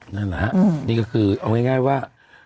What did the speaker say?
นั่นแหละฮะนี่ก็คือเอาง่ายว่า